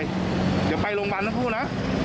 เดี๋ยวไปโรงพยาบาลทั้งคู่นะ